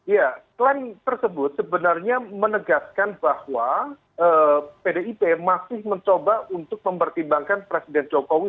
ya klaim tersebut sebenarnya menegaskan bahwa pdip masih mencoba untuk mempertimbangkan presiden jokowi